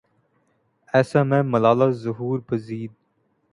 اَیسا میں ملالہ ظہور پزیر